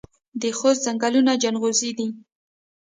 د خوست ځنګلونه جلغوزي دي